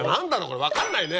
これ分かんないね。